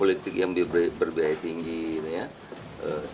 karena teman yang mengejar penginforan serikat telah mengembang ke negara baru